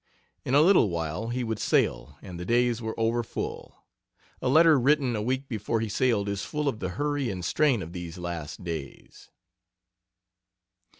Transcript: In a little while he would sail, and the days were overfull. A letter written a week before he sailed is full of the hurry and strain of these last days.